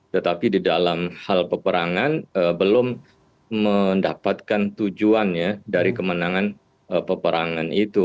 tetapi di dalam hal peperangan belum mendapatkan tujuan ya dari kemenangan peperangan itu